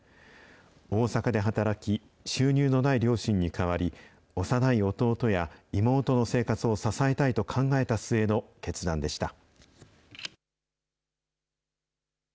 大阪で働き、収入のない両親に代わり、幼い弟や妹の生活を支えたいと考えた末の決断でした。